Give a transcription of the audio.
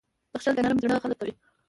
• بښل د نرم زړه خلک کوي.